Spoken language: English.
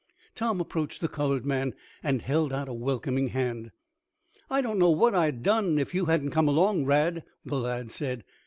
Tom approached the colored man, and held out a welcoming hand. "I don't know what I'd done if you hadn't come along, Rad," the lad said.